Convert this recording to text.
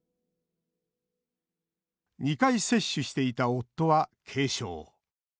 ２回接種していた夫は軽症。